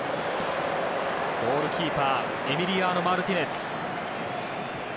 ゴールキーパーエミリアーノ・マルティネス。